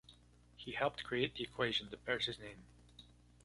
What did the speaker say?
He helped create the equation that bears his name.